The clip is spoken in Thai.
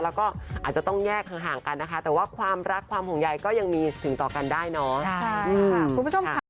แล้วก็อาจจะต้องแยกห่างกันนะคะแต่ว่าความรักความห่วงใยก็ยังมีถึงต่อกันได้เนาะ